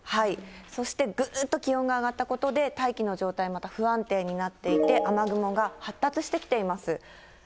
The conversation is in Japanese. そしてぐっと気温が上がったことで、大気の状態また不安定になっていて、雨雲が発達してきています。